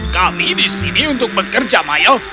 kami di sini untuk bekerja mayo